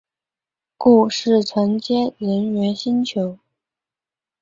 故事承接人猿星球。